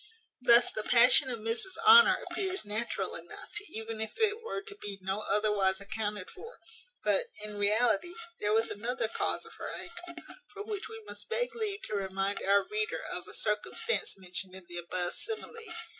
Thus the passion of Mrs Honour appears natural enough, even if it were to be no otherwise accounted for; but, in reality, there was another cause of her anger; for which we must beg leave to remind our reader of a circumstance mentioned in the above simile.